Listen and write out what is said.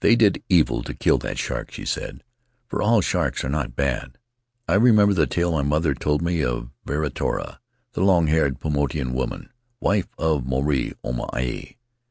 "They did evil to kill that shark," she said, "for all sharks are not bad. I remember the tale my mother told me of Viritoa, the long haired Paumotuan woman — wife of Maruae Ouma Ati.